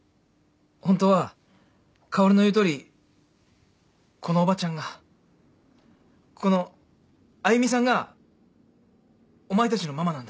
ホントは薫の言うとおりこのおばちゃんがこのあゆみさんがお前たちのママなんだ。